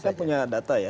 kita punya data ya